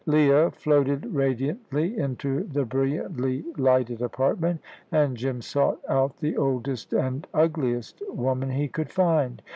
Leah floated radiantly into the brilliantly lighted apartment, and Jim sought out the oldest and ugliest woman he could find.